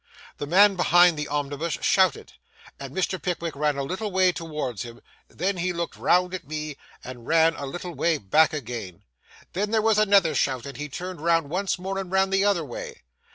The man behind the omnibus shouted, and Mr. Pickwick ran a little way towards him: then he looked round at me, and ran a little way back again. Then there was another shout, and he turned round once more and ran the other way.